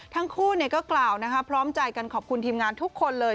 ทั้งคู่ก็กล่าวพร้อมใจกันขอบคุณทีมงานทุกคนเลย